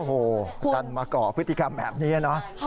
โอ้โฮจัดมาก่อพฤติกรรมแบบนี้เนี่ยเนอะ